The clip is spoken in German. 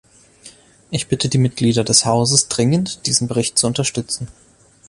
Ich bitte die Mitglieder des Hauses dringend, diesen Bericht zu unterstützen.